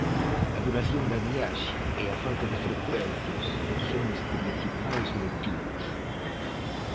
A duración da viaxe e a falta de frecuencias son os principais motivos.